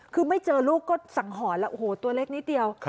คือไม่เจอลูกก็สังหรณ์แล้วโอ้โหตัวเล็กนิดเดียว